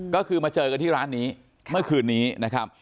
ก็คือมาเจอกันที่ร้านนี้เมื่อคืนนี้นะครับ